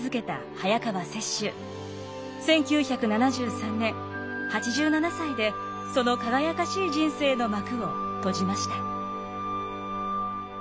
１９７３年８７歳でその輝かしい人生の幕を閉じました。